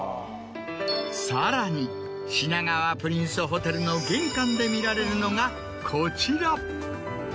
さらに品川プリンスホテルの玄関で見られるのがこちら！